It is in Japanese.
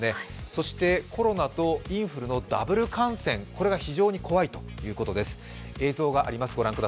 そしてコロナとインフルのダブル感染、これが非常に怖いということです。